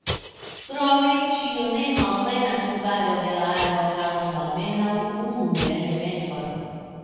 Krome, ĉiu ne malplena subaro de la aro havas almenaŭ unu elementon.